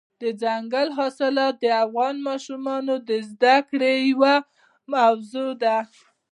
دځنګل حاصلات د افغان ماشومانو د زده کړې یوه موضوع ده.